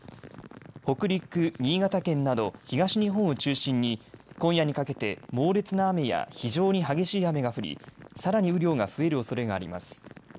北陸、新潟県など東日本を中心に今夜にかけて猛烈な雨や非常に激しい雨が降り、さらに雨量が増えるおそれがあります。